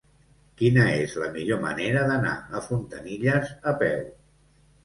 Quina és la millor manera d'anar a Fontanilles a peu?